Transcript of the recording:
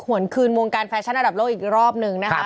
หวนคืนมวงการแฟชั่นระดับโลห์อีกรอบนึงนะครับ